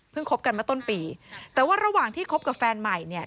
คบกันมาต้นปีแต่ว่าระหว่างที่คบกับแฟนใหม่เนี่ย